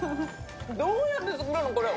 どうやって作るの、これ。